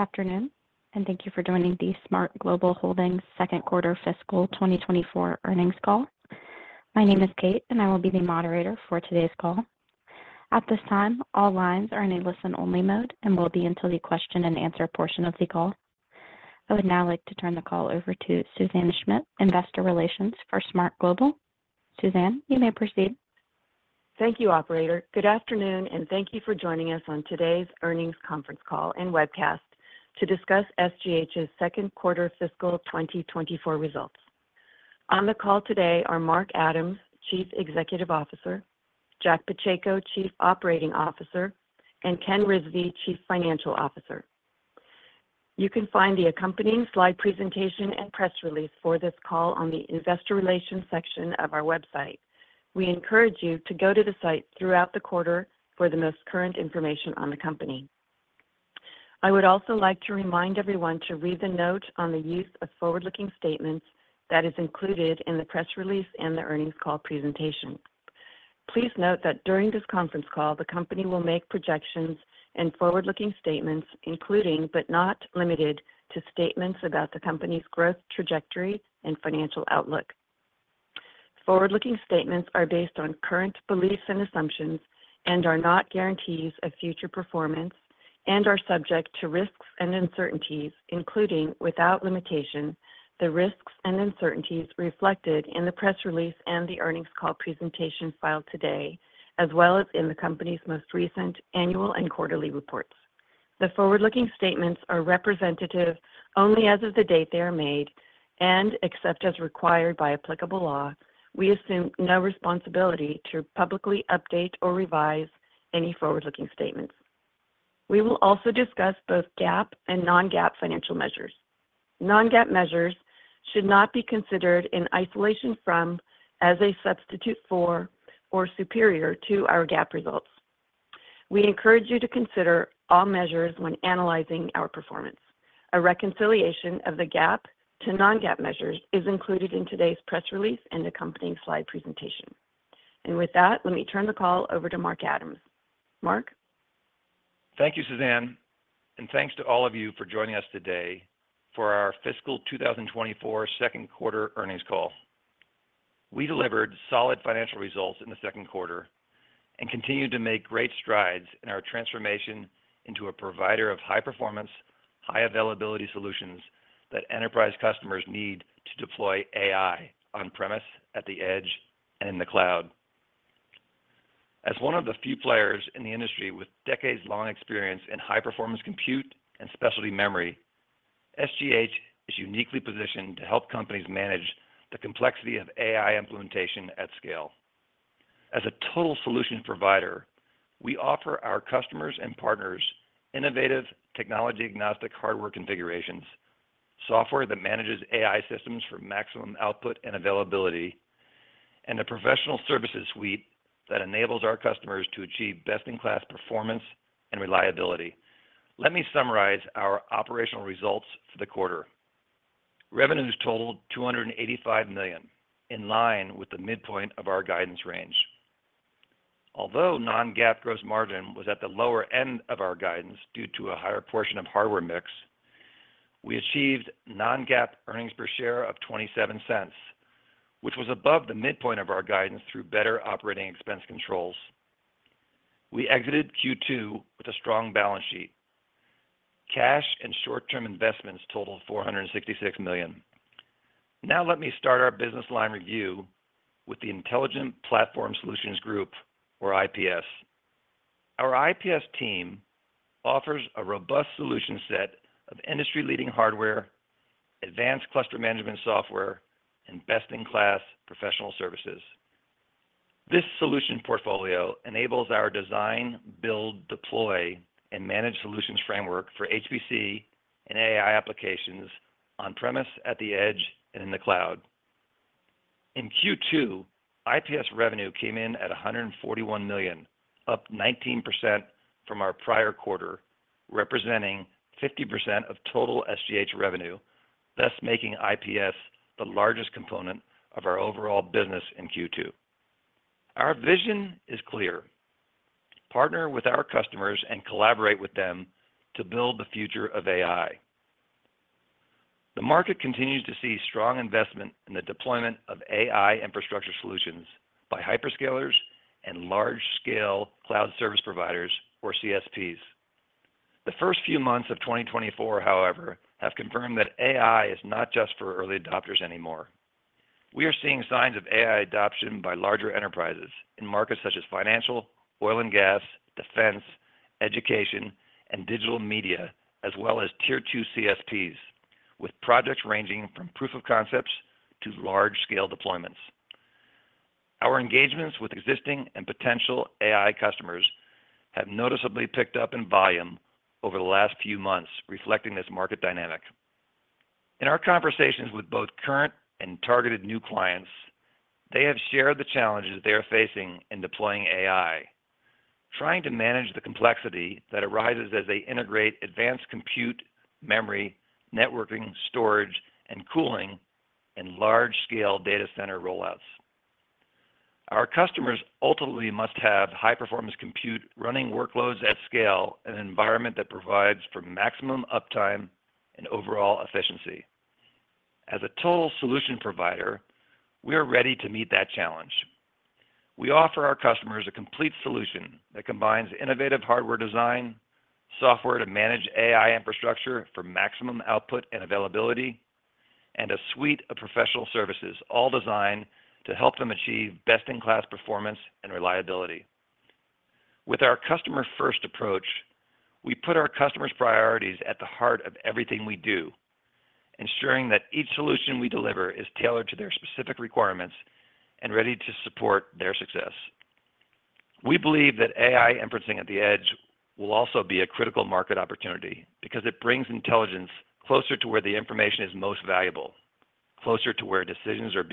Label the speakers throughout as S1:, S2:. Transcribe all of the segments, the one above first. S1: Good afternoon, and thank you for joining the SMART Global Holdings second quarter fiscal 2024 earnings call. My name is Kate, and I will be the moderator for today's call. At this time, all lines are in a listen-only mode and will be until the question and answer portion of the call. I would now like to turn the call over to Suzanne Schmidt, Investor Relations for SMART Global Holdings. Suzanne, you may proceed.
S2: Thank you, operator. Good afternoon, and thank you for joining us on today's earnings conference call and webcast to discuss SGH's second quarter fiscal 2024 results. On the call today are Mark Adams, Chief Executive Officer, Jack Pacheco, Chief Operating Officer, and Ken Rizvi, Chief Financial Officer. You can find the accompanying slide presentation and press release for this call on the Investor Relations section of our website. We encourage you to go to the site throughout the quarter for the most current information on the company. I would also like to remind everyone to read the note on the use of forward-looking statements that is included in the press release and the earnings call presentation. Please note that during this conference call, the company will make projections and forward-looking statements, including, but not limited to, statements about the company's growth trajectory and financial outlook. Forward-looking statements are based on current beliefs and assumptions and are not guarantees of future performance and are subject to risks and uncertainties, including, without limitation, the risks and uncertainties reflected in the press release and the earnings call presentation filed today, as well as in the company's most recent annual and quarterly reports. The forward-looking statements are representative only as of the date they are made, and except as required by applicable law, we assume no responsibility to publicly update or revise any forward-looking statements. We will also discuss both GAAP and non-GAAP financial measures. Non-GAAP measures should not be considered in isolation from, as a substitute for, or superior to our GAAP results. We encourage you to consider all measures when analyzing our performance. A reconciliation of the GAAP to non-GAAP measures is included in today's press release and accompanying slide presentation. And with that, let me turn the call over to Mark Adams. Mark?
S3: Thank you, Suzanne, and thanks to all of you for joining us today for our fiscal 2024 second quarter earnings call. We delivered solid financial results in the second quarter and continued to make great strides in our transformation into a provider of high-performance, high-availability solutions that enterprise customers need to deploy AI on-premise, at the edge, and in the cloud. As one of the few players in the industry with decades-long experience in high-performance compute and specialty memory, SGH is uniquely positioned to help companies manage the complexity of AI implementation at scale. As a total solution provider, we offer our customers and partners innovative technology, agnostic hardware configurations, software that manages AI systems for maximum output and availability, and a professional services suite that enables our customers to achieve best-in-class performance and reliability. Let me summarize our operational results for the quarter. Revenues totaled $285 million, in line with the midpoint of our guidance range. Although non-GAAP gross margin was at the lower end of our guidance due to a higher portion of hardware mix, we achieved non-GAAP earnings per share of $0.27, which was above the midpoint of our guidance through better operating expense controls. We exited Q2 with a strong balance sheet. Cash and short-term investments totaled $466 million. Now, let me start our business line review with the Intelligent Platform Solutions Group, or IPS. Our IPS team offers a robust solution set of industry-leading hardware, advanced cluster management software, and best-in-class professional services. This solution portfolio enables our design, build, deploy, and manage solutions framework for HPC and AI applications on-premise, at the edge, and in the cloud. In Q2, IPS revenue came in at $141 million, up 19% from our prior quarter, representing 50% of total SGH revenue, thus making IPS the largest component of our overall business in Q2. Our vision is clear: partner with our customers and collaborate with them to build the future of AI. The market continues to see strong investment in the deployment of AI infrastructure solutions by hyperscalers and large-scale cloud service providers or CSPs. The first few months of 2024, however, have confirmed that AI is not just for early adopters anymore. We are seeing signs of AI adoption by larger enterprises in markets such as financial, oil and gas, defense, education, and digital media, as well as tier two CSPs, with projects ranging from proof of concepts to large-scale deployments. Our engagements with existing and potential AI customers have noticeably picked up in volume over the last few months, reflecting this market dynamic. In our conversations with both current and targeted new clients, they have shared the challenges they are facing in deploying AI, trying to manage the complexity that arises as they integrate advanced compute, memory, networking, storage, and cooling in large-scale data center rollouts.... Our customers ultimately must have high-performance compute running workloads at scale in an environment that provides for maximum uptime and overall efficiency. As a total solution provider, we are ready to meet that challenge. We offer our customers a complete solution that combines innovative hardware design, software to manage AI infrastructure for maximum output and availability, and a suite of professional services, all designed to help them achieve best-in-class performance and reliability. With our customer-first approach, we put our customers' priorities at the heart of everything we do, ensuring that each solution we deliver is tailored to their specific requirements and ready to support their success. We believe that AI inferencing at the edge will also be a critical market opportunity, because it brings intelligence closer to where the information is most valuable, closer to where decisions are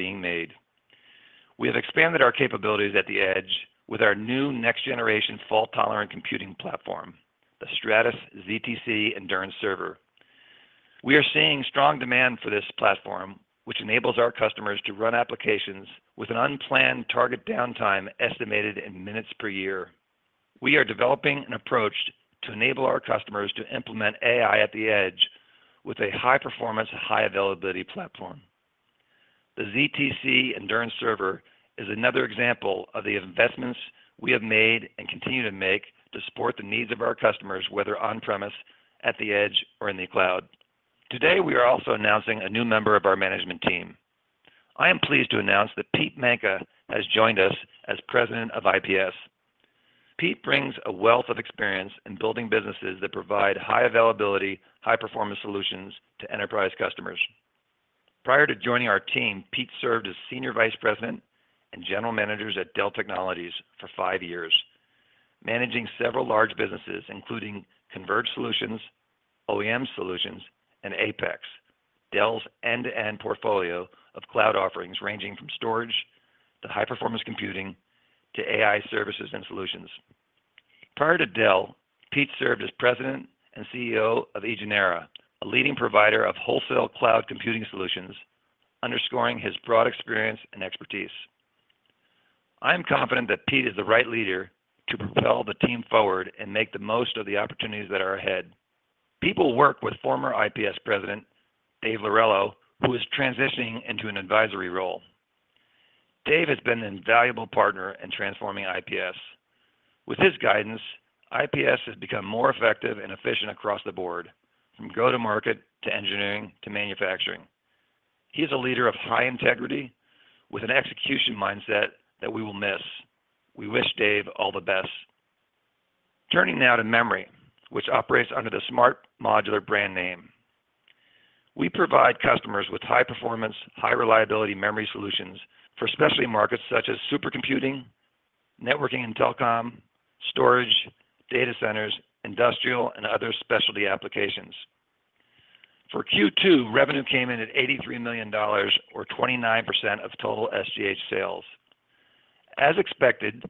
S3: being made. We have expanded our capabilities at the edge with our new next-generation fault-tolerant computing platform, the Stratus ztC Endurance Server. We are seeing strong demand for this platform, which enables our customers to run applications with an unplanned target downtime estimated in minutes per year. We are developing an approach to enable our customers to implement AI at the edge with a high-performance, high-availability platform. The ztC Endurance Server is another example of the investments we have made and continue to make to support the needs of our customers, whether on-premise, at the edge, or in the cloud. Today, we are also announcing a new member of our management team. I am pleased to announce that Pete Manca has joined us as President of IPS. Pete brings a wealth of experience in building businesses that provide high-availability, high-performance solutions to enterprise customers. Prior to joining our team, Pete served as Senior Vice President and General Manager at Dell Technologies for five years, managing several large businesses, including Converged Solutions, OEM Solutions, and APEX, Dell's end-to-end portfolio of cloud offerings ranging from storage to high-performance computing to AI services and solutions. Prior to Dell, Pete served as President and CEO of Egenera, a leading provider of wholesale cloud computing solutions, underscoring his broad experience and expertise. I am confident that Pete is the right leader to propel the team forward and make the most of the opportunities that are ahead. Pete will work with former IPS President, Dave Lorello, who is transitioning into an advisory role. Dave has been an invaluable partner in transforming IPS. With his guidance, IPS has become more effective and efficient across the board, from go-to-market, to engineering, to manufacturing. He is a leader of high integrity with an execution mindset that we will miss. We wish Dave all the best. Turning now to memory, which operates under the SMART Modular brand name. We provide customers with high-performance, high-reliability memory solutions for specialty markets such as supercomputing, networking and telecom, storage, data centers, industrial, and other specialty applications. For Q2, revenue came in at $83 million, or 29% of total SGH sales. As expected,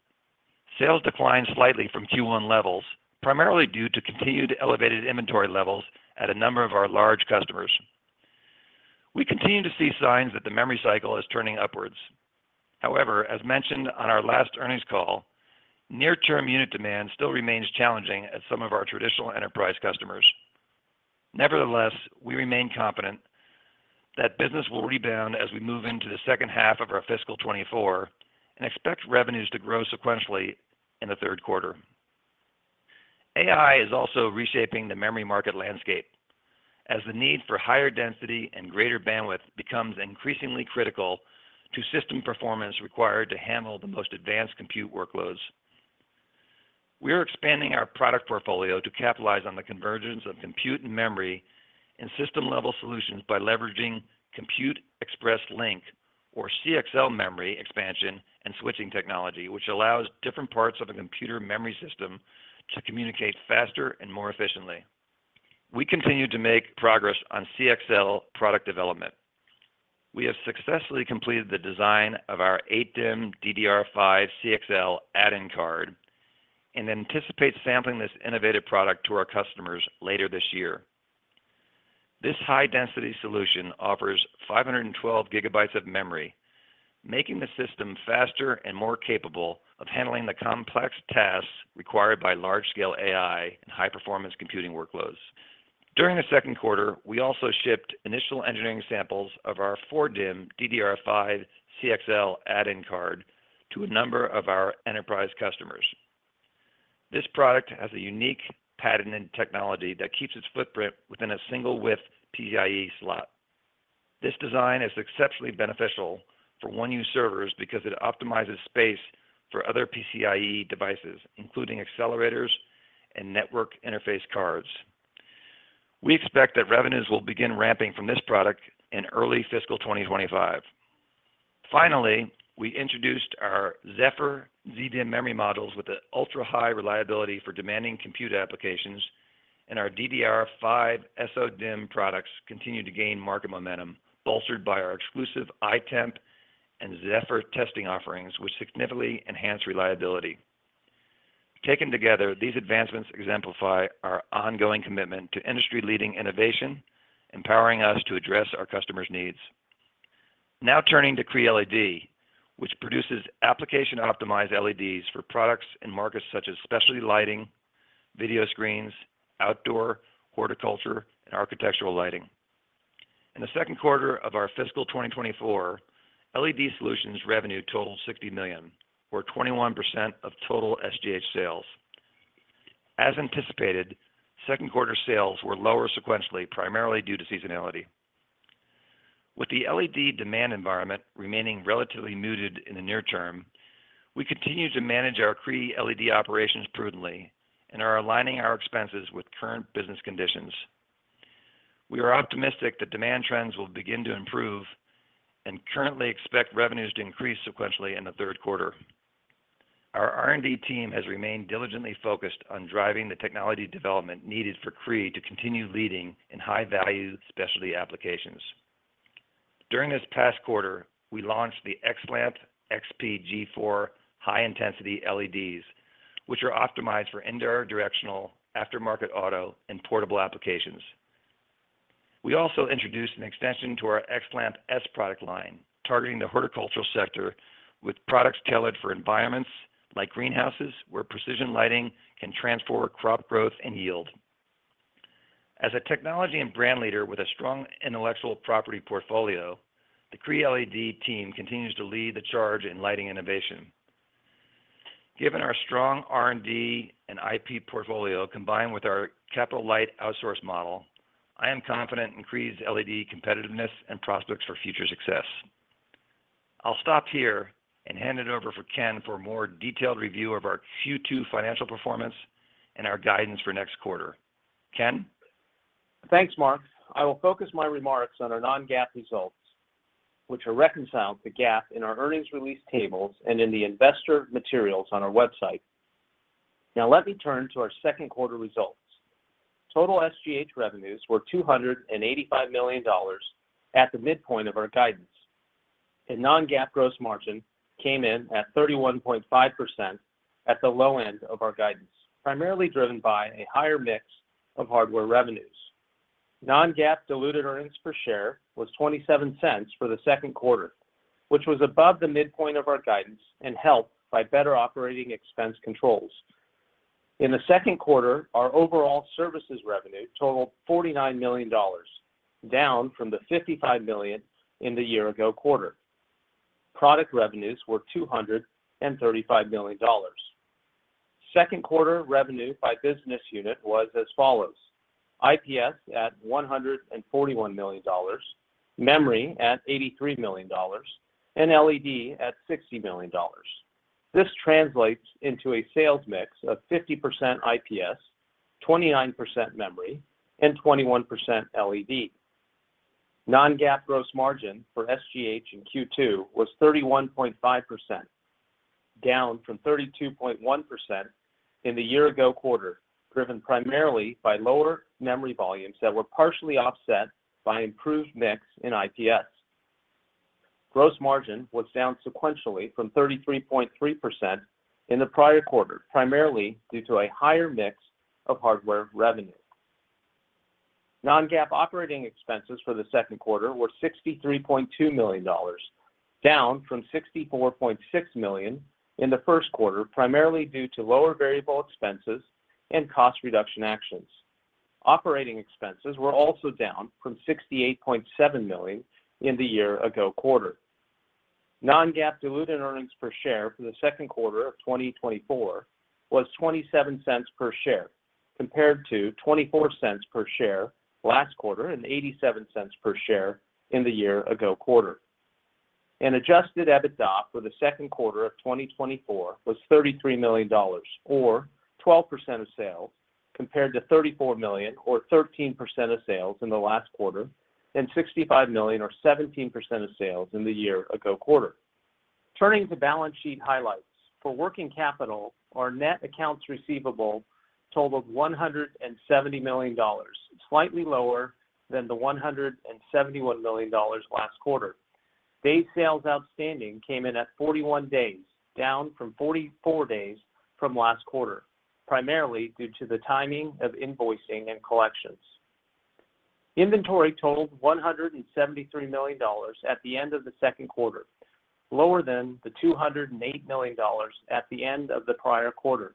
S3: sales declined slightly from Q1 levels, primarily due to continued elevated inventory levels at a number of our large customers. We continue to see signs that the memory cycle is turning upwards. However, as mentioned on our last earnings call, near-term unit demand still remains challenging at some of our traditional enterprise customers. Nevertheless, we remain confident that business will rebound as we move into the second half of our fiscal 2024 and expect revenues to grow sequentially in the third quarter. AI is also reshaping the memory market landscape, as the need for higher density and greater bandwidth becomes increasingly critical to system performance required to handle the most advanced compute workloads. We are expanding our product portfolio to capitalize on the convergence of compute and memory and system-level solutions by leveraging Compute Express Link or CXL memory expansion and switching technology, which allows different parts of a computer memory system to communicate faster and more efficiently. We continue to make progress on CXL product development. We have successfully completed the design of our 8-DIMM DDR5 CXL add-in card and anticipate sampling this innovative product to our customers later this year. This high-density solution offers 512 GB of memory, making the system faster and more capable of handling the complex tasks required by large-scale AI and high-performance computing workloads. During the second quarter, we also shipped initial engineering samples of our 4-DIMM DDR5 CXL add-in card to a number of our enterprise customers. This product has a unique patented technology that keeps its footprint within a single-width PCIe slot. This design is exceptionally beneficial for 1U servers because it optimizes space for other PCIe devices, including accelerators and network interface cards. We expect that revenues will begin ramping from this product in early fiscal 2025. Finally, we introduced our Zefr Z-DIMM memory models with an ultra-high reliability for demanding compute applications, and our DDR5 SO-DIMM products continue to gain market momentum, bolstered by our exclusive I-Temp and Zefr testing offerings, which significantly enhance reliability.... Taken together, these advancements exemplify our ongoing commitment to industry-leading innovation, empowering us to address our customers' needs. Now turning to Cree LED, which produces application-optimized LEDs for products and markets such as specialty lighting, video screens, outdoor, horticulture, and architectural lighting. In the second quarter of our fiscal 2024, LED Solutions revenue totaled $60 million, or 21% of total SGH sales. As anticipated, second quarter sales were lower sequentially, primarily due to seasonality. With the LED demand environment remaining relatively muted in the near term, we continue to manage our Cree LED operations prudently and are aligning our expenses with current business conditions. We are optimistic that demand trends will begin to improve and currently expect revenues to increase sequentially in the third quarter. Our R&D team has remained diligently focused on driving the technology development needed for Cree to continue leading in high-value specialty applications. During this past quarter, we launched the XLamp XP-G4 high-intensity LEDs, which are optimized for indoor directional, aftermarket auto, and portable applications. We also introduced an extension to our XLamp S product line, targeting the horticultural sector with products tailored for environments like greenhouses, where precision lighting can transform crop growth and yield. As a technology and brand leader with a strong intellectual property portfolio, the Cree LED team continues to lead the charge in lighting innovation. Given our strong R&D and IP portfolio, combined with our capital-light outsourcing model, I am confident in Cree LED's competitiveness and prospects for future success. I'll stop here and hand it over to Ken for a more detailed review of our Q2 financial performance and our guidance for next quarter. Ken?
S4: Thanks, Mark. I will focus my remarks on our non-GAAP results, which are reconciled to GAAP in our earnings release tables and in the investor materials on our website. Now, let me turn to our second quarter results. Total SGH revenues were $285 million at the midpoint of our guidance, and non-GAAP gross margin came in at 31.5% at the low end of our guidance, primarily driven by a higher mix of hardware revenues. Non-GAAP diluted earnings per share was $0.27 for the second quarter, which was above the midpoint of our guidance and helped by better operating expense controls. In the second quarter, our overall services revenue totaled $49 million, down from the $55 million in the year ago quarter. Product revenues were $235 million. Second quarter revenue by business unit was as follows: IPS at $141 million, memory at $83 million, and LED at $60 million. This translates into a sales mix of 50% IPS, 29% memory, and 21% LED. Non-GAAP gross margin for SGH in Q2 was 31.5%, down from 32.1% in the year ago quarter, driven primarily by lower memory volumes that were partially offset by improved mix in IPS. Gross margin was down sequentially from 33.3% in the prior quarter, primarily due to a higher mix of hardware revenue. Non-GAAP operating expenses for the second quarter were $63.2 million, down from $64.6 million in the first quarter, primarily due to lower variable expenses and cost reduction actions. Operating expenses were also down from $68.7 million in the year ago quarter. Non-GAAP diluted earnings per share for the second quarter of 2024 was $0.27 per share, compared to $0.24 per share last quarter and $0.87 per share in the year ago quarter. Adjusted EBITDA for the second quarter of 2024 was $33 million, or 12% of sales, compared to $34 million, or 13% of sales in the last quarter, and $65 million, or 17% of sales in the year ago quarter. Turning to balance sheet highlights. For working capital, our net accounts receivable totaled $170 million, slightly lower than the $171 million last quarter. Days Sales Outstanding came in at 41 days, down from 44 days from last quarter, primarily due to the timing of invoicing and collections. Inventory totaled $173 million at the end of the second quarter, lower than the $208 million at the end of the prior quarter,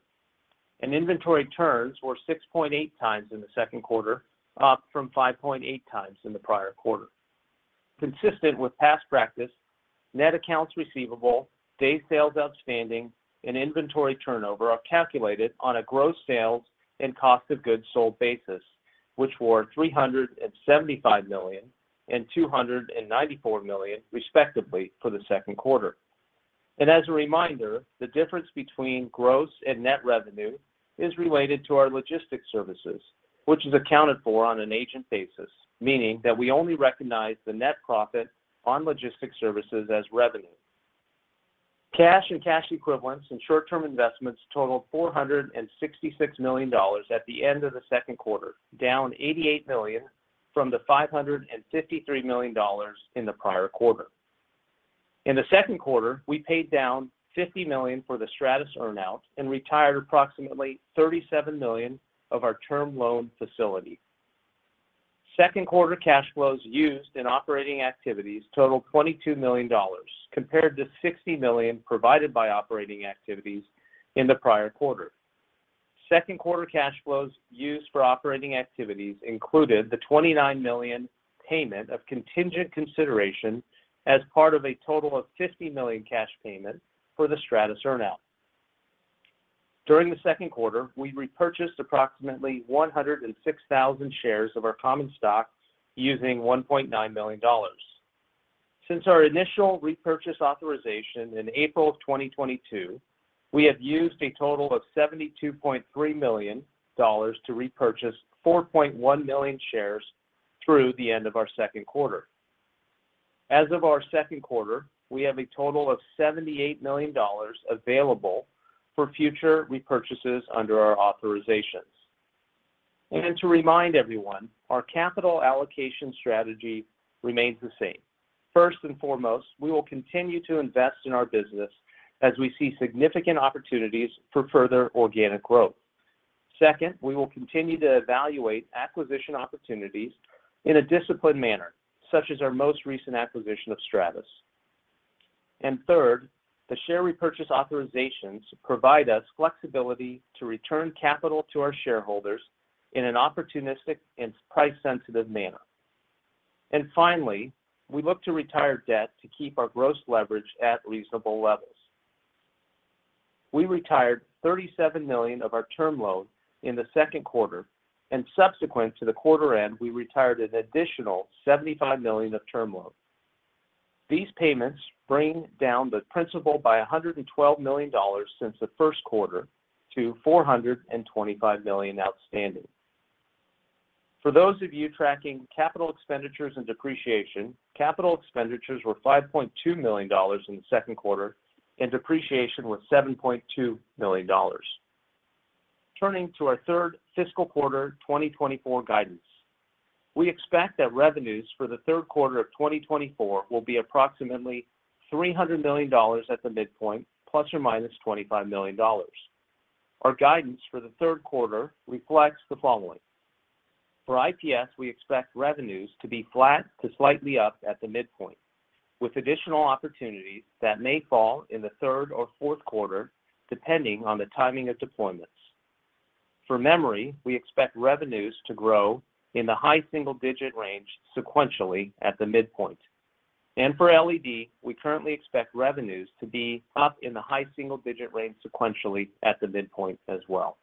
S4: and inventory turns were 6.8 times in the second quarter, up from 5.8 times in the prior quarter. Consistent with past practice, net accounts receivable, Days Sales Outstanding, and inventory turnover are calculated on a gross sales and cost of goods sold basis, which were $375 million and $294 million, respectively, for the second quarter. As a reminder, the difference between gross and net revenue is related to our logistics services, which is accounted for on an agent basis, meaning that we only recognize the net profit on logistics services as revenue. Cash and cash equivalents and short-term investments totaled $466 million at the end of the second quarter, down $88 million from the $553 million in the prior quarter. In the second quarter, we paid down $50 million for the Stratus earn-out and retired approximately $37 million of our term loan facility. Second quarter cash flows used in operating activities totaled $22 million, compared to $60 million provided by operating activities in the prior quarter. Second quarter cash flows used for operating activities included the $29 million payment of contingent consideration as part of a total of $50 million cash payment for the Stratus earn-out. During the second quarter, we repurchased approximately 106,000 shares of our common stock using $1.9 million. Since our initial repurchase authorization in April of 2022, we have used a total of $72.3 million to repurchase 4.1 million shares through the end of our second quarter. As of our second quarter, we have a total of $78 million available for future repurchases under our authorizations. And to remind everyone, our capital allocation strategy remains the same. First and foremost, we will continue to invest in our business as we see significant opportunities for further organic growth. Second, we will continue to evaluate acquisition opportunities in a disciplined manner, such as our most recent acquisition of Stratus. And third, the share repurchase authorizations provide us flexibility to return capital to our shareholders in an opportunistic and price-sensitive manner. And finally, we look to retire debt to keep our gross leverage at reasonable levels. We retired $37 million of our term loan in the second quarter, and subsequent to the quarter end, we retired an additional $75 million of term loan. These payments bring down the principal by $112 million since the first quarter to $425 million outstanding. For those of you tracking capital expenditures and depreciation, capital expenditures were $5.2 million in the second quarter, and depreciation was $7.2 million. Turning to our third fiscal quarter 2024 guidance. We expect that revenues for the third quarter of 2024 will be approximately $300 million at the midpoint, ±$25 million. Our guidance for the third quarter reflects the following: For IPS, we expect revenues to be flat to slightly up at the midpoint, with additional opportunities that may fall in the third or fourth quarter, depending on the timing of deployments. For memory, we expect revenues to grow in the high single-digit range sequentially at the midpoint. For LED, we currently expect revenues to be up in the high single-digit range sequentially at the midpoint as well.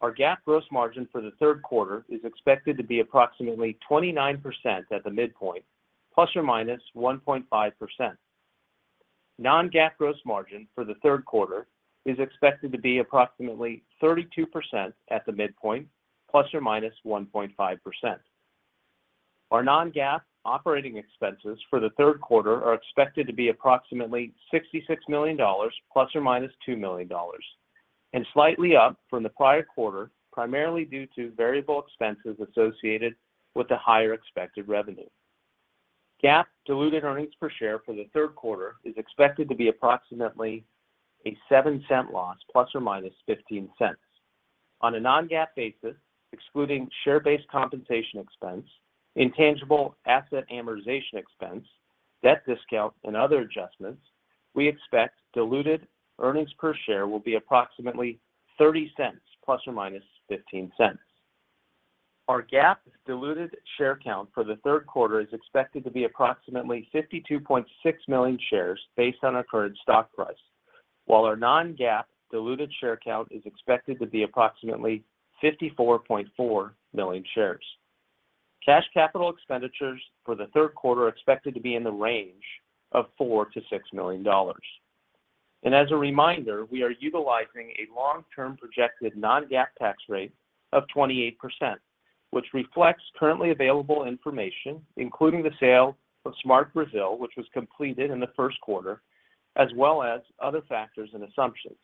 S4: Our GAAP gross margin for the third quarter is expected to be approximately 29% at the midpoint, ±1.5%. Non-GAAP gross margin for the third quarter is expected to be approximately 32% at the midpoint, ±1.5%. Our non-GAAP operating expenses for the third quarter are expected to be approximately $66 million, ±$2 million, and slightly up from the prior quarter, primarily due to variable expenses associated with the higher expected revenue. GAAP diluted earnings per share for the third quarter is expected to be approximately a $0.07 loss, ±$0.15. On a non-GAAP basis, excluding share-based compensation expense, intangible asset amortization expense, debt discount, and other adjustments, we expect diluted earnings per share will be approximately $0.30, ±$0.15. Our GAAP diluted share count for the third quarter is expected to be approximately 52.6 million shares based on current stock price, while our non-GAAP diluted share count is expected to be approximately 54.4 million shares. Cash capital expenditures for the third quarter are expected to be in the range of $4 million-$6 million. As a reminder, we are utilizing a long-term projected non-GAAP tax rate of 28%, which reflects currently available information, including the sale of SMART Brazil, which was completed in the first quarter, as well as other factors and assumptions.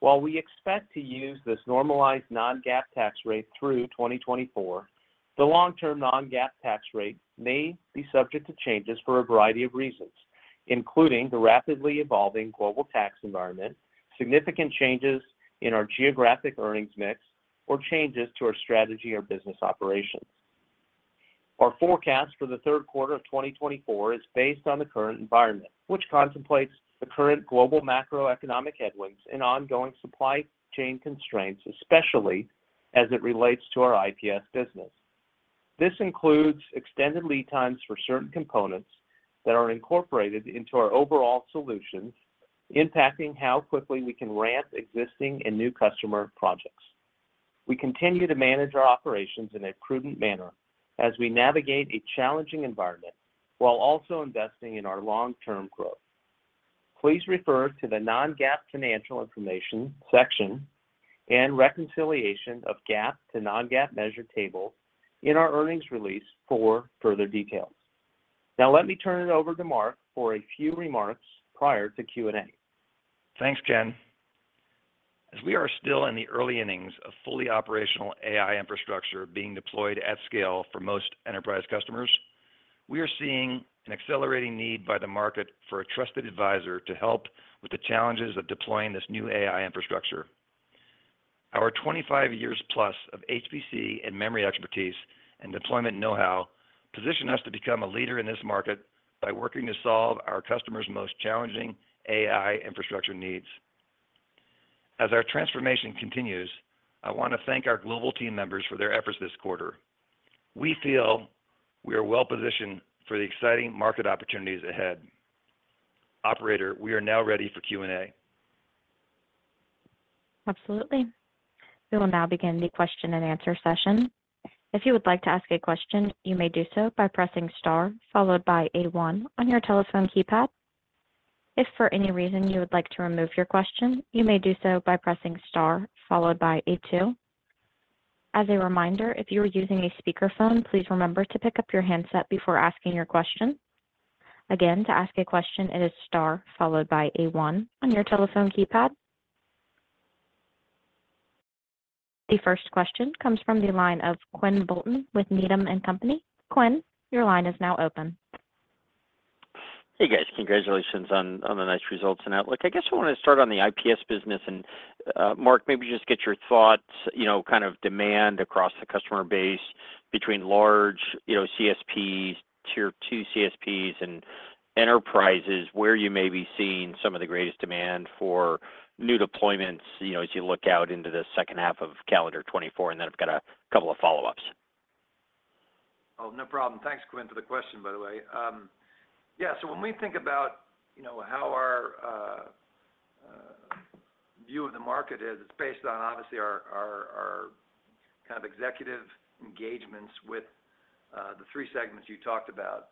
S4: While we expect to use this normalized non-GAAP tax rate through 2024, the long-term non-GAAP tax rate may be subject to changes for a variety of reasons, including the rapidly evolving global tax environment, significant changes in our geographic earnings mix, or changes to our strategy or business operations. Our forecast for the third quarter of 2024 is based on the current environment, which contemplates the current global macroeconomic headwinds and ongoing supply chain constraints, especially as it relates to our IPS business. This includes extended lead times for certain components that are incorporated into our overall solutions, impacting how quickly we can ramp existing and new customer projects. We continue to manage our operations in a prudent manner as we navigate a challenging environment while also investing in our long-term growth. Please refer to the non-GAAP financial information section and reconciliation of GAAP to non-GAAP measure table in our earnings release for further details. Now, let me turn it over to Mark for a few remarks prior to Q&A.
S2: Thanks, Ken....
S3: As we are still in the early innings of fully operational AI infrastructure being deployed at scale for most enterprise customers, we are seeing an accelerating need by the market for a trusted advisor to help with the challenges of deploying this new AI infrastructure. Our 25 years plus of HPC and memory expertise and deployment know-how, position us to become a leader in this market by working to solve our customers' most challenging AI infrastructure needs. As our transformation continues, I want to thank our global team members for their efforts this quarter. We feel we are well-positioned for the exciting market opportunities ahead. Operator, we are now ready for Q&A.
S1: Absolutely. We will now begin the question and answer session. If you would like to ask a question, you may do so by pressing star, followed by A-one on your telephone keypad. If for any reason you would like to remove your question, you may do so by pressing star followed by A-two. As a reminder, if you are using a speakerphone, please remember to pick up your handset before asking your question. Again, to ask a question, it is star followed by A-one on your telephone keypad. The first question comes from the line of Quinn Bolton with Needham & Company. Quinn, your line is now open.
S5: Hey, guys. Congratulations on the nice results and outlook. I guess I want to start on the IPS business, and Mark, maybe just get your thoughts, you know, kind of demand across the customer base between large, you know, CSPs, tier two CSPs, and enterprises, where you may be seeing some of the greatest demand for new deployments, you know, as you look out into the second half of calendar 2024, and then I've got a couple of follow-ups.
S3: Oh, no problem. Thanks, Quinn, for the question, by the way. Yeah, so when we think about, you know, how our view of the market is, it's based on obviously our kind of executive engagements with the three segments you talked about.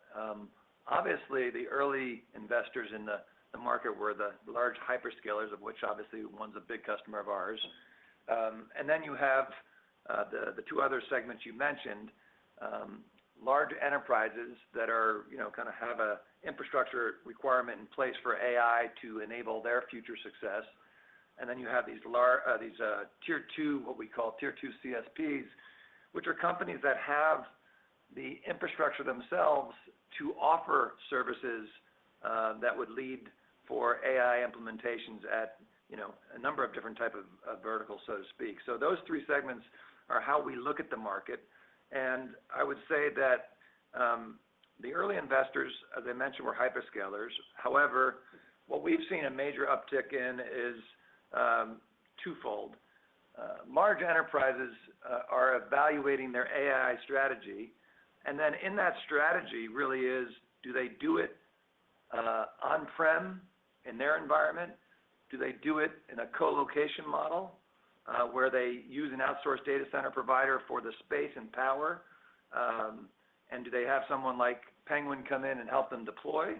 S3: Obviously, the early investors in the market were the large hyperscalers, of which obviously one's a big customer of ours. And then you have the two other segments you mentioned, large enterprises that are, you know, kind of have a infrastructure requirement in place for AI to enable their future success. Then you have these tier two, what we call tier two CSPs, which are companies that have the infrastructure themselves to offer services that would lead for AI implementations at, you know, a number of different type of verticals, so to speak. So those three segments are how we look at the market, and I would say that the early investors, as I mentioned, were hyperscalers. However, what we've seen a major uptick in is twofold. Large enterprises are evaluating their AI strategy, and then in that strategy really is, do they do it on-prem in their environment? Do they do it in a colocation model, where they use an outsourced data center provider for the space and power? And do they have someone like Penguin come in and help them deploy?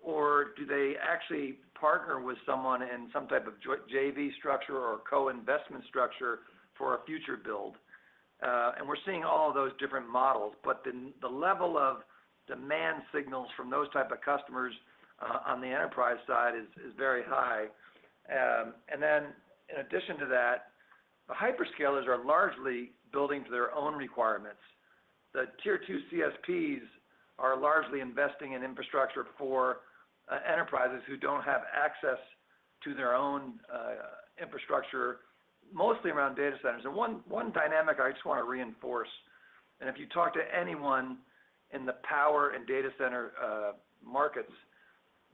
S3: Or do they actually partner with someone in some type of JV structure or co-investment structure for a future build? And we're seeing all of those different models, but the level of demand signals from those type of customers on the enterprise side is very high. And then in addition to that, the hyperscalers are largely building to their own requirements. The tier two CSPs are largely investing in infrastructure for enterprises who don't have access to their own infrastructure, mostly around data centers. And one dynamic I just want to reinforce, and if you talk to anyone in the power and data center markets,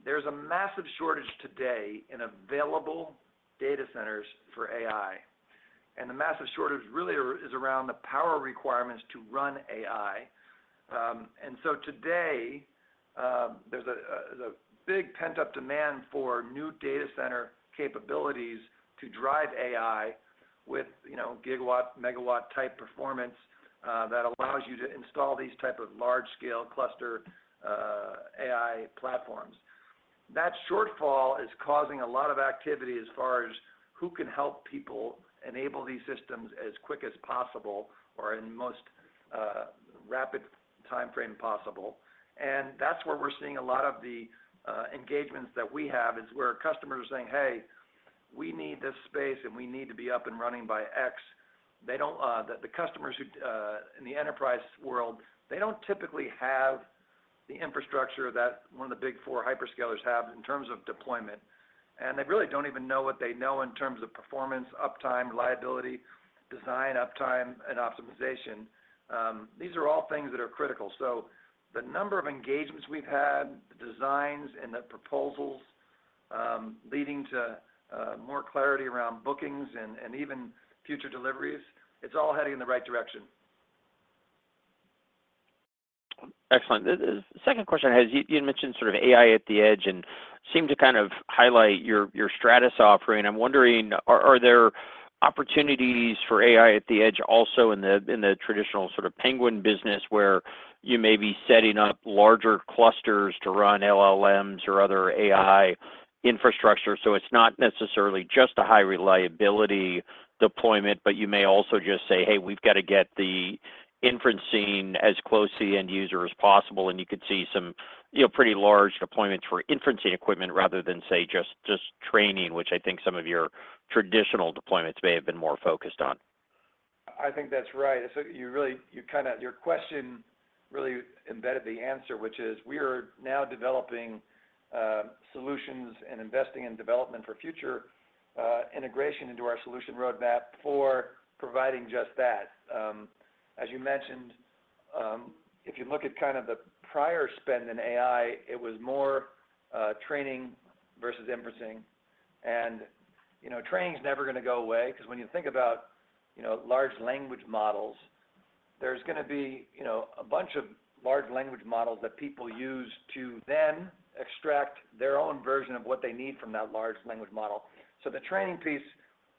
S3: there's a massive shortage today in available data centers for AI, and the massive shortage really is around the power requirements to run AI. And so today, there's a big pent-up demand for new data center capabilities to drive AI with, you know, gigawatt, megawatt-type performance, that allows you to install these type of large-scale cluster, AI platforms. That shortfall is causing a lot of activity as far as who can help people enable these systems as quick as possible or in the most rapid timeframe possible. And that's where we're seeing a lot of the engagements that we have, is where customers are saying, "Hey, we need this space, and we need to be up and running by X." They don't... The customers who in the enterprise world, they don't typically have the infrastructure that one of the big four hyperscalers have in terms of deployment, and they really don't even know what they know in terms of performance, uptime, reliability, design uptime, and optimization. These are all things that are critical. So the number of engagements we've had, the designs and the proposals, leading to more clarity around bookings and even future deliveries, it's all heading in the right direction.
S5: Excellent. The second question I had is, you had mentioned sort of AI at the edge and seemed to kind of highlight your Stratus offering. I'm wondering, are there opportunities for AI at the edge also in the traditional sort of Penguin business, where you may be setting up larger clusters to run LLMs or other AI infrastructure? So it's not necessarily just a high reliability deployment, but you may also just say, "Hey, we've got to get the inferencing as close to the end user as possible," and you could see some, you know, pretty large deployments for inferencing equipment rather than, say, just training, which I think some of your traditional deployments may have been more focused on....
S3: I think that's right. So you really, your question really embedded the answer, which is we are now developing solutions and investing in development for future integration into our solution roadmap for providing just that. As you mentioned, if you look at kind of the prior spend in AI, it was more training versus inferencing. And, you know, training's never gonna go away, 'cause when you think about, you know, large language models, there's gonna be, you know, a bunch of large language models that people use to then extract their own version of what they need from that large language model. So the training piece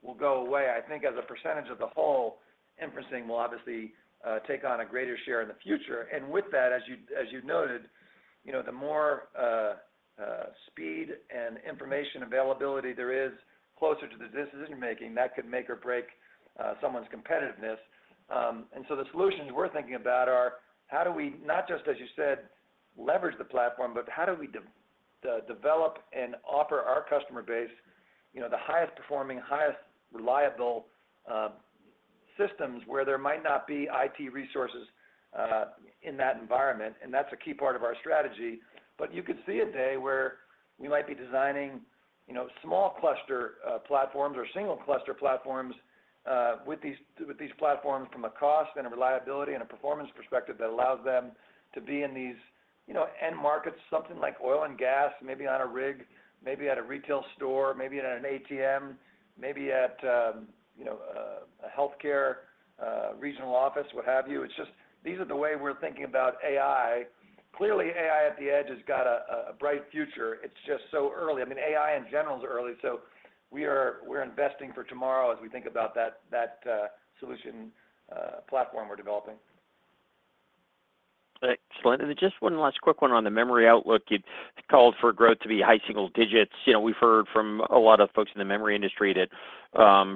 S3: will go away. I think as a percentage of the whole, inferencing will obviously take on a greater share in the future. And with that, as you, as you noted, you know, the more speed and information availability there is closer to the decision-making, that could make or break someone's competitiveness. So the solutions we're thinking about are: how do we, not just as you said, leverage the platform, but how do we develop and offer our customer base, you know, the highest performing, highest reliable systems, where there might not be IT resources in that environment? And that's a key part of our strategy. But you could see a day where we might be designing, you know, small cluster platforms or single cluster platforms with these, with these platforms from a cost and a reliability and a performance perspective, that allows them to be in these, you know, end markets, something like oil and gas, maybe on a rig, maybe at a retail store, maybe at an ATM, maybe at, you know, a healthcare regional office, what have you. It's just... These are the way we're thinking about AI. Clearly, AI at the edge has got a bright future. It's just so early. I mean, AI in general is early, so we're investing for tomorrow as we think about that solution platform we're developing.
S5: Excellent. And then just one last quick one on the memory outlook. You'd called for growth to be high single digits. You know, we've heard from a lot of folks in the memory industry that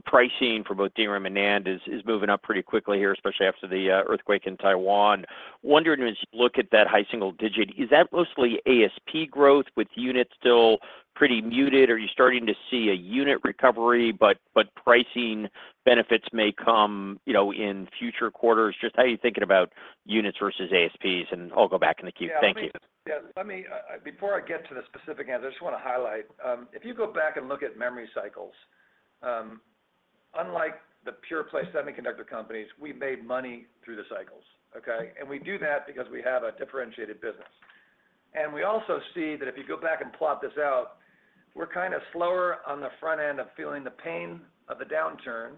S5: pricing for both DRAM and NAND is moving up pretty quickly here, especially after the earthquake in Taiwan. Wondering, as you look at that high single digit, is that mostly ASP growth with units still pretty muted, or are you starting to see a unit recovery, but pricing benefits may come, you know, in future quarters? Just how are you thinking about units versus ASPs? And I'll go back in the queue. Thank you.
S3: Yeah, let me, before I get to the specific answer, I just want to highlight, if you go back and look at memory cycles, unlike the pure play semiconductor companies, we've made money through the cycles, okay? And we do that because we have a differentiated business. And we also see that if you go back and plot this out, we're kind of slower on the front end of feeling the pain of the downturn,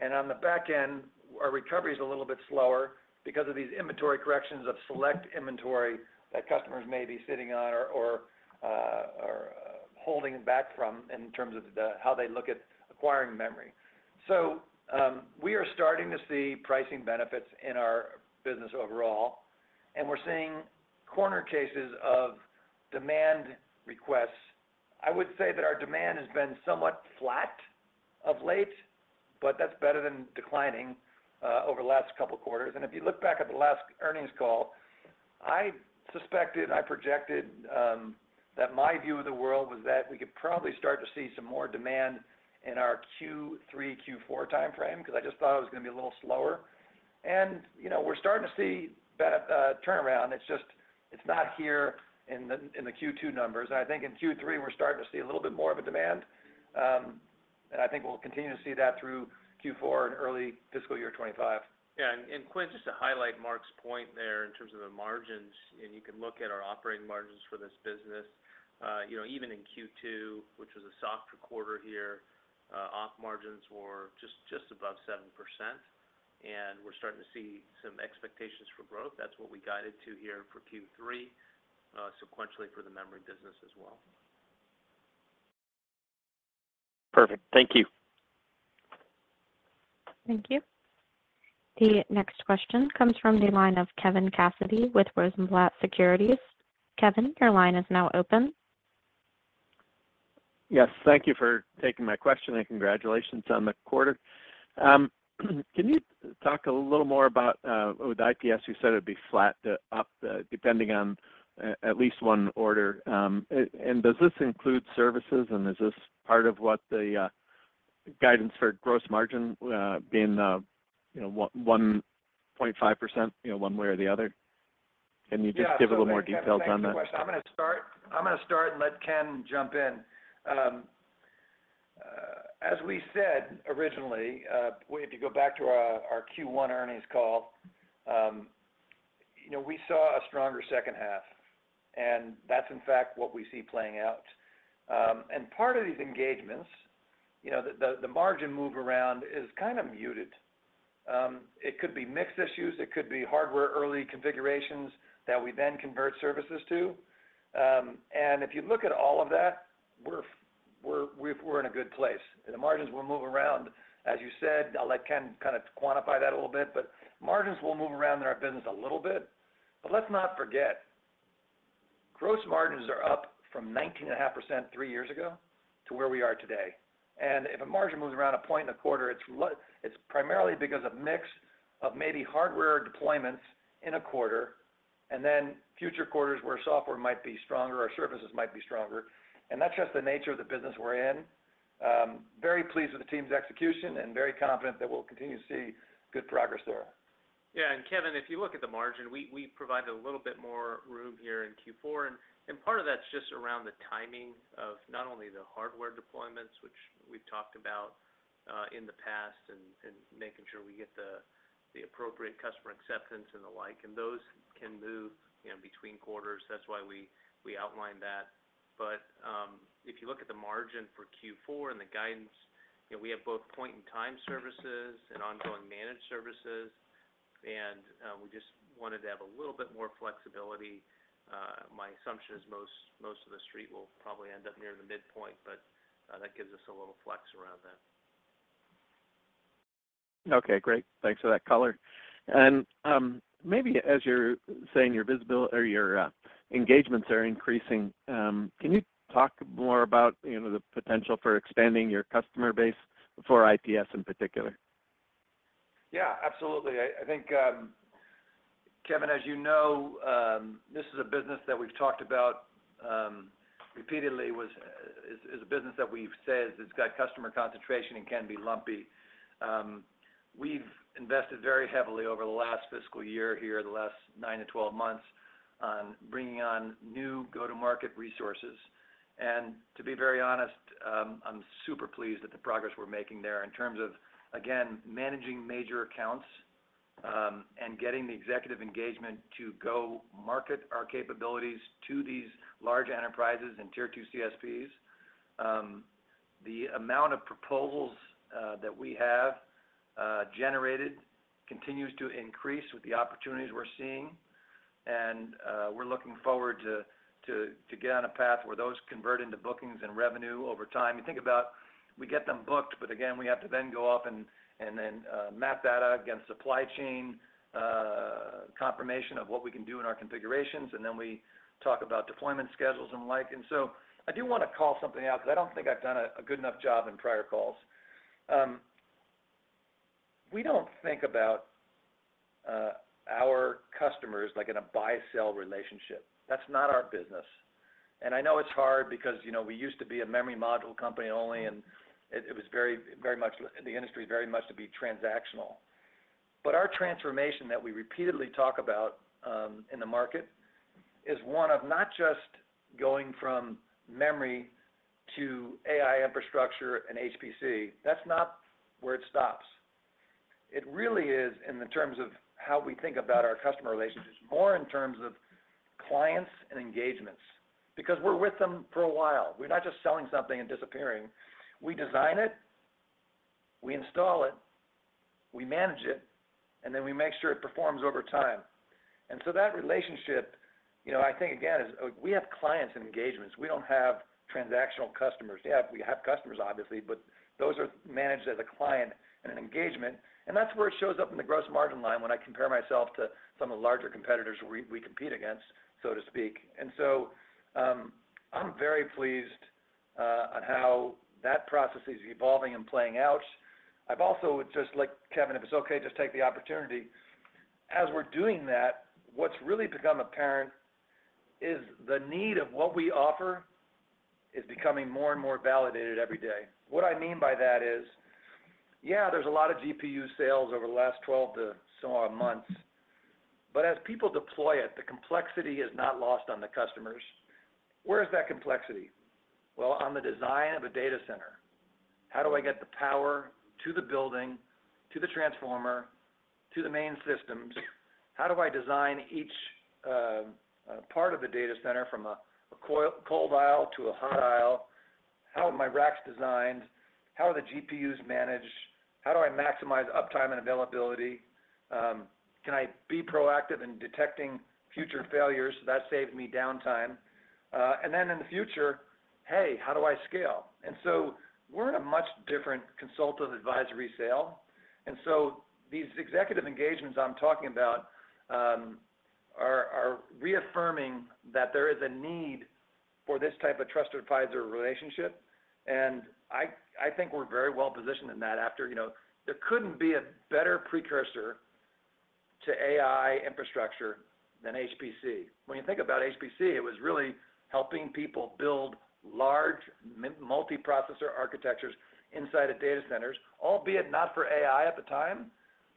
S3: and on the back end, our recovery is a little bit slower because of these inventory corrections of select inventory that customers may be sitting on or, or, or holding back from in terms of the, how they look at acquiring memory. So, we are starting to see pricing benefits in our business overall, and we're seeing corner cases of demand requests. I would say that our demand has been somewhat flat of late, but that's better than declining over the last couple of quarters. And if you look back at the last earnings call, I suspected, I projected that my view of the world was that we could probably start to see some more demand in our Q3, Q4 time frame, because I just thought it was going to be a little slower. And, you know, we're starting to see that turnaround. It's just, it's not here in the, in the Q2 numbers. I think in Q3, we're starting to see a little bit more of a demand. And I think we'll continue to see that through Q4 and early fiscal year 25.
S4: Yeah, and Quinn, just to highlight Mark's point there in terms of the margins, and you can look at our operating margins for this business. You know, even in Q2, which was a softer quarter here, op margins were just above 7%, and we're starting to see some expectations for growth. That's what we guided to here for Q3, sequentially for the memory business as well.
S5: Perfect. Thank you.
S1: Thank you. The next question comes from the line of Kevin Cassidy with Rosenblatt Securities. Kevin, your line is now open.
S6: Yes, thank you for taking my question, and congratulations on the quarter. Can you talk a little more about with IPS, you said it'd be flat to up, depending on at least one order. And does this include services, and is this part of what the guidance for gross margin being you know 1.5% you know one way or the other? Can you just-
S3: Yeah...
S6: give a little more details on that?
S3: Thank you for the question. I'm gonna start and let Ken jump in. As we said originally, way back to our Q1 earnings call, you know, we saw a stronger second half, and that's in fact what we see playing out. And part of these engagements, you know, the margin move around is kind of muted. It could be mix issues, it could be hardware early configurations that we then convert services to. And if you look at all of that, we're in a good place, and the margins will move around. As you said, I'll let Ken kind of quantify that a little bit, but margins will move around in our business a little bit. Let's not forget, gross margins are up from 19.5% three years ago to where we are today. If a margin moves around a point in a quarter, it's primarily because of mix of maybe hardware deployments in a quarter and then future quarters where software might be stronger or services might be stronger, and that's just the nature of the business we're in. Very pleased with the team's execution and very confident that we'll continue to see good progress there.
S4: Yeah, and Kevin, if you look at the margin, we provided a little bit more room here in Q4, and part of that's just around the timing of not only the hardware deployments, which we've talked about in the past, and making sure we get the appropriate customer acceptance and the like, and those can move, you know, between quarters. That's why we outlined that. But if you look at the margin for Q4 and the guidance, you know, we have both point in time services and ongoing managed services, and we just wanted to have a little bit more flexibility. My assumption is most of the Street will probably end up near the midpoint, but that gives us a little flex around that.
S6: Okay, great. Thanks for that color. And maybe as you're saying, your visibility or your engagements are increasing, can you talk more about, you know, the potential for expanding your customer base for IPS in particular?
S3: Yeah, absolutely. I think, Kevin, as you know, this is a business that we've talked about repeatedly, is a business that we've said it's got customer concentration and can be lumpy. We've invested very heavily over the last fiscal year here, the last 9-12 months, on bringing on new go-to-market resources. And to be very honest, I'm super pleased with the progress we're making there in terms of, again, managing major accounts, and getting the executive engagement to go market our capabilities to these large enterprises and tier two CSPs. The amount of proposals that we have generated continues to increase with the opportunities we're seeing, and we're looking forward to get on a path where those convert into bookings and revenue over time. You think about, we get them booked, but again, we have to then go off and then map that out against supply chain confirmation of what we can do in our configurations, and then we talk about deployment schedules and the like. And so I do want to call something out, because I don't think I've done a good enough job in prior calls. We don't think about our customers like in a buy-sell relationship. That's not our business. And I know it's hard because, you know, we used to be a memory module company only, and it was very, very much the industry very much to be transactional. But our transformation that we repeatedly talk about in the market is one of not just going from memory to AI infrastructure and HPC. That's not where it stops. It really is, in the terms of how we think about our customer relationships, more in terms of clients and engagements, because we're with them for a while. We're not just selling something and disappearing. We design it, we install it, we manage it, and then we make sure it performs over time. And so that relationship, you know, I think again, is, we have clients and engagements. We don't have transactional customers. Yeah, we have customers, obviously, but those are managed as a client and an engagement, and that's where it shows up in the gross margin line when I compare myself to some of the larger competitors we, we compete against, so to speak. And so, I'm very pleased, on how that process is evolving and playing out. I've also would just like, Kevin, if it's okay, just take the opportunity. As we're doing that, what's really become apparent is the need of what we offer is becoming more and more validated every day. What I mean by that is, yeah, there's a lot of GPU sales over the last 12 or so months, but as people deploy it, the complexity is not lost on the customers. Where is that complexity? Well, on the design of a data center, how do I get the power to the building, to the transformer, to the main systems? How do I design each part of the data center from a cold aisle to a hot aisle? How are my racks designed? How are the GPUs managed? How do I maximize uptime and availability? Can I be proactive in detecting future failures that save me downtime? And then in the future, hey, how do I scale? And so we're in a much different consultant advisory sale, and so these executive engagements I'm talking about are reaffirming that there is a need for this type of trusted advisor relationship, and I think we're very well positioned in that after... You know, there couldn't be a better precursor to AI infrastructure than HPC. When you think about HPC, it was really helping people build large multiprocessor architectures inside of data centers, albeit not for AI at the time,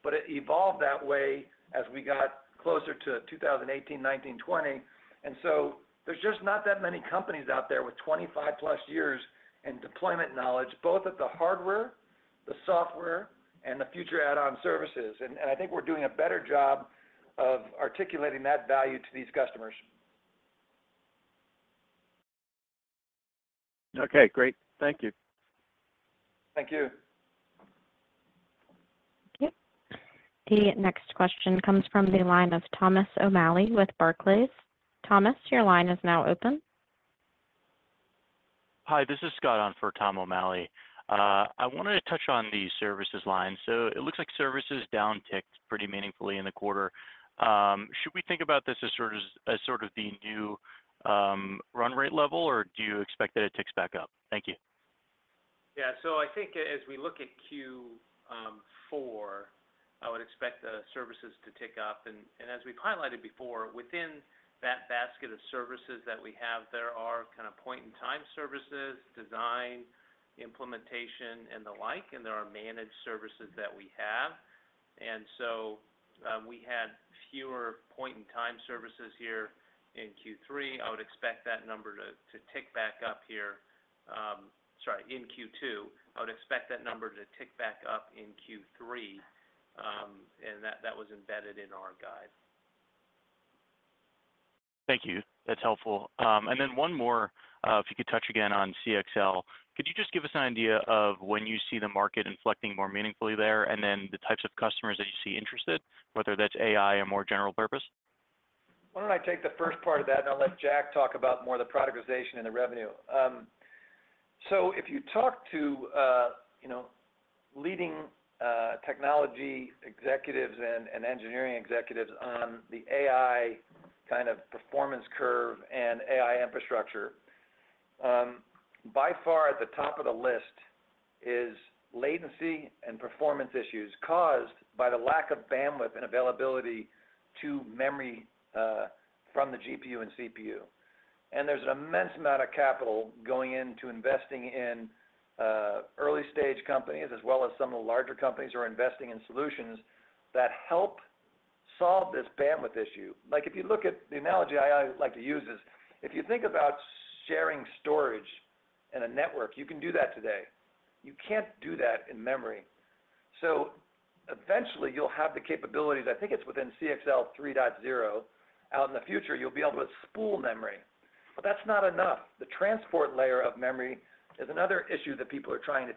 S3: but it evolved that way as we got closer to 2018, 2019, 2020. And so there's just not that many companies out there with 25+ years in deployment knowledge, both at the hardware, the software, and the future add-on services. And I think we're doing a better job of articulating that value to these customers.
S6: Okay, great. Thank you.
S3: Thank you.
S1: Okay. The next question comes from the line of Thomas O'Malley with Barclays. Thomas, your line is now open.
S7: Hi, this is Scott on for Tom O'Malley. I wanted to touch on the services line. So it looks like services down-ticked pretty meaningfully in the quarter. Should we think about this as sort of, as sort of the new run rate level, or do you expect that it ticks back up? Thank you....
S4: so I think as we look at Q4, I would expect the services to tick up. And as we've highlighted before, within that basket of services that we have, there are kind of point-in-time services, design, implementation, and the like, and there are managed services that we have. And so, we had fewer point-in-time services here in Q3. I would expect that number to tick back up here, sorry, in Q2. I would expect that number to tick back up in Q3, and that was embedded in our guide.
S8: Thank you. That's helpful. And then one more, if you could touch again on CXL. Could you just give us an idea of when you see the market inflecting more meaningfully there, and then the types of customers that you see interested, whether that's AI or more general purpose?
S3: Why don't I take the first part of that, and I'll let Jack talk about more the productization and the revenue. So if you talk to, you know, leading technology executives and engineering executives on the AI kind of performance curve and AI infrastructure, by far at the top of the list is latency and performance issues caused by the lack of bandwidth and availability to memory from the GPU and CPU. And there's an immense amount of capital going into investing in early stage companies, as well as some of the larger companies are investing in solutions that help solve this bandwidth issue. Like, if you look at the analogy I, I like to use is, if you think about sharing storage in a network, you can do that today. You can't do that in memory. So eventually, you'll have the capabilities, I think it's within CXL 3.0, out in the future, you'll be able to spool memory, but that's not enough. The transport layer of memory is another issue that people are trying to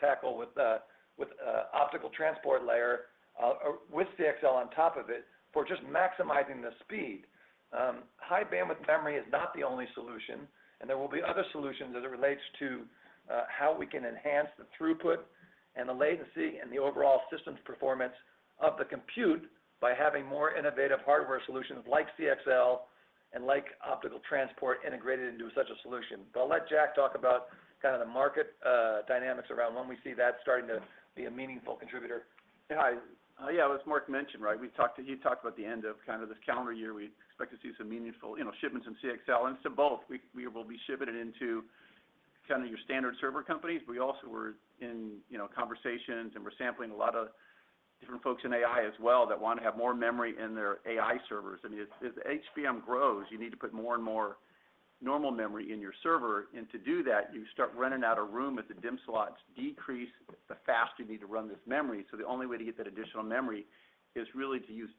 S3: tackle with optical transport layer, with CXL on top of it, for just maximizing the speed. High bandwidth memory is not the only solution, and there will be other solutions as it relates to how we can enhance the throughput and the latency and the overall systems performance of the compute by having more innovative hardware solutions like CXL and like optical transport integrated into such a solution. But I'll let Jack talk about kind of the market dynamics around when we see that starting to be a meaningful contributor.
S9: Hi. Yeah, as Mark mentioned, right, we talked- he talked about the end of kind of this calendar year, we expect to see some meaningful, you know, shipments in CXL, and so both, we, we will be shipping it into kind of your standard server companies. We also were in, you know, conversations, and we're sampling a lot of different folks in AI as well that want to have more memory in their AI servers. I mean, as, as HBM grows, you need to put more and more normal memory in your server, and to do that, you start running out of room as the DIMM slots decrease the faster you need to run this memory. So the only way to get that additional memory is really to use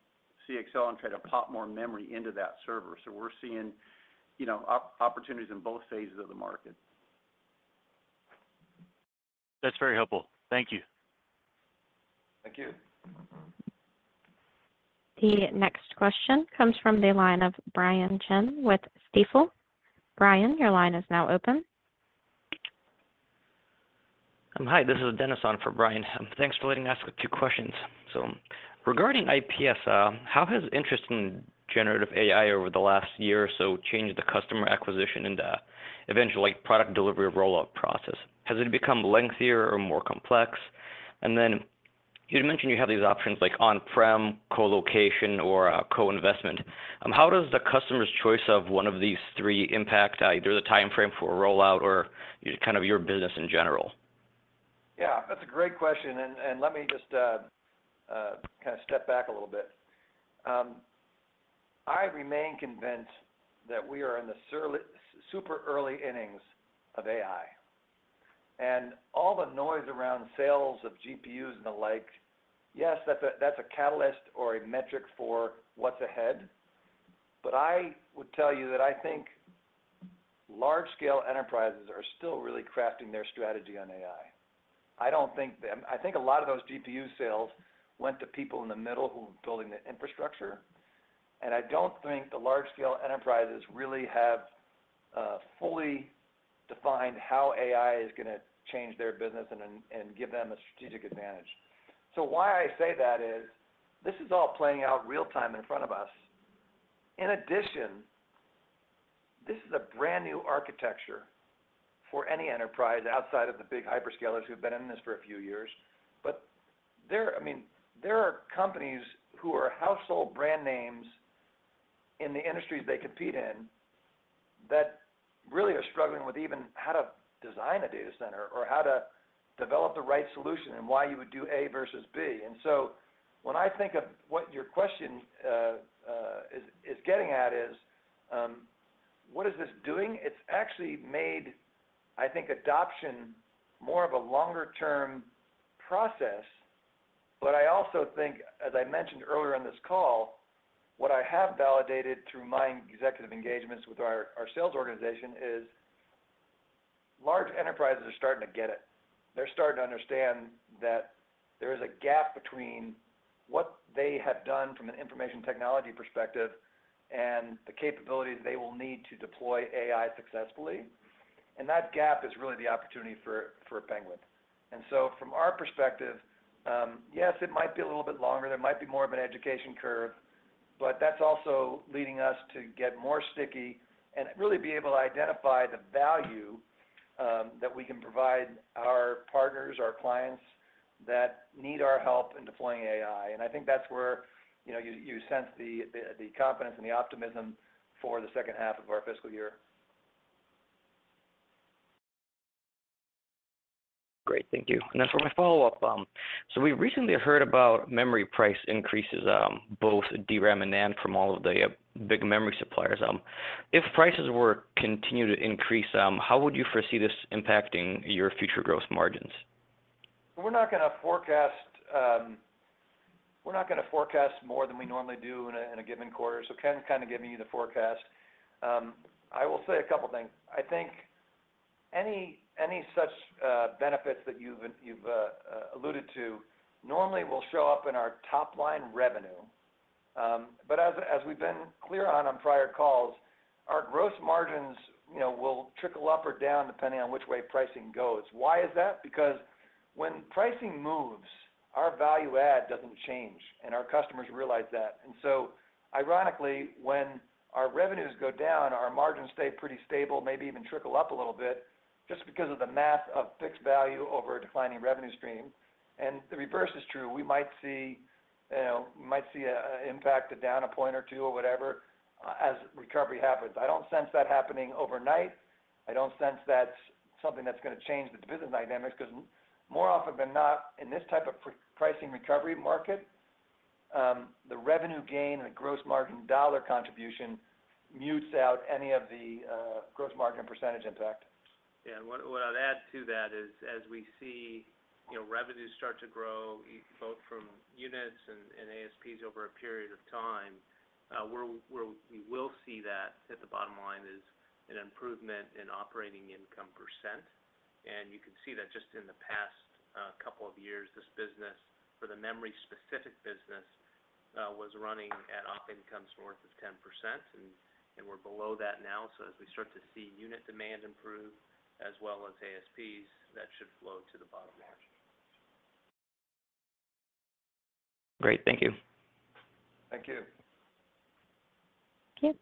S9: CXL and try to pop more memory into that server. We're seeing, you know, opportunities in both phases of the market.
S8: That's very helpful. Thank you.
S3: Thank you.
S1: The next question comes from the line of Brian Chin with Stifel. Brian, your line is now open.
S10: Hi, this is Denis on for Brian. Thanks for letting me ask a few questions. Regarding IPS, how has interest in generative AI over the last year or so changed the customer acquisition and, eventually, like, product delivery rollout process? Has it become lengthier or more complex? And then you'd mentioned you have these options like on-prem, co-location, or co-investment. How does the customer's choice of one of these three impact either the time frame for a rollout or kind of your business in general?
S3: Yeah, that's a great question, and let me just kind of step back a little bit. I remain convinced that we are in the super early innings of AI, and all the noise around sales of GPUs and the like, yes, that's a catalyst or a metric for what's ahead, but I would tell you that I think large scale enterprises are still really crafting their strategy on AI. I don't think, I think a lot of those GPU sales went to people in the middle who were building the infrastructure, and I don't think the large scale enterprises really have fully defined how AI is gonna change their business and give them a strategic advantage. So why I say that is, this is all playing out real time in front of us. In addition, this is a brand-new architecture for any enterprise outside of the big hyperscalers who've been in this for a few years. But I mean, there are companies who are household brand names in the industries they compete in, that really are struggling with even how to design a data center or how to develop the right solution and why you would do A versus B. And so when I think of what your question is getting at is, what is this doing? It's actually made, I think, adoption more of a longer term process, but I also think, as I mentioned earlier on this call, what I have validated through my executive engagements with our sales organization is, large enterprises are starting to get it. They're starting to understand that there is a gap between what they have done from an information technology perspective and the capabilities they will need to deploy AI successfully, and that gap is really the opportunity for Penguin. And so from our perspective, yes, it might be a little bit longer, there might be more of an education curve, but that's also leading us to get more sticky and really be able to identify the value that we can provide our partners, our clients, that need our help in deploying AI. And I think that's where, you know, you sense the confidence and the optimism for the second half of our fiscal year.
S10: Great. Thank you. And then for my follow-up, so we recently heard about memory price increases, both DRAM and NAND from all of the big memory suppliers. If prices were continue to increase, how would you foresee this impacting your future gross margins?
S3: We're not gonna forecast more than we normally do in a given quarter, so Ken kind of gave you the forecast. I will say a couple things. I think any such benefits that you've alluded to normally will show up in our top line revenue. But as we've been clear on prior calls, our gross margins, you know, will trickle up or down depending on which way pricing goes. Why is that? Because when pricing moves, our value add doesn't change, and our customers realize that. And so ironically, when our revenues go down, our margins stay pretty stable, maybe even trickle up a little bit, just because of the math of fixed value over a declining revenue stream. And the reverse is true. We might see, you know, we might see an impact of down 1 point or 2 or whatever, as recovery happens. I don't sense that happening overnight. I don't sense that's something that's gonna change the business dynamics, 'cause more often than not, in this type of pricing recovery market, the revenue gain and the gross margin dollar contribution mutes out any of the gross margin percentage impact.
S4: Yeah, and what I'd add to that is, as we see, you know, revenues start to grow, both from units and ASPs over a period of time, we will see that at the bottom line is an improvement in operating income percent. And you can see that just in the past couple of years, this business, for the memory-specific business, was running at op incomes north of 10%, and we're below that now. So as we start to see unit demand improve, as well as ASPs, that should flow to the bottom line.
S10: Great. Thank you.
S3: Thank you.
S1: Okay.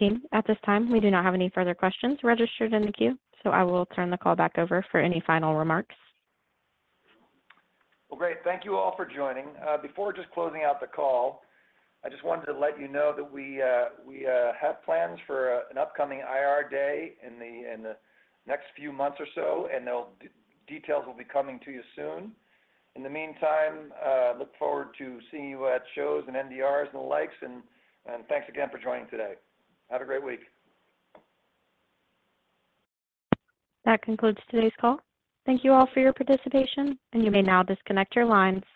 S1: Team, at this time, we do not have any further questions registered in the queue, so I will turn the call back over for any final remarks.
S3: Well, great. Thank you all for joining. Before just closing out the call, I just wanted to let you know that we have plans for an upcoming IR Day in the next few months or so, and details will be coming to you soon. In the meantime, look forward to seeing you at shows and NDRs and the likes, and thanks again for joining today. Have a great week.
S1: That concludes today's call. Thank you all for your participation, and you may now disconnect your line.